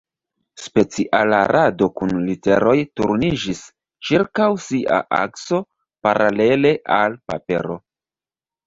Speciala rado kun literoj turniĝis ĉirkaŭ sia akso paralele al papero.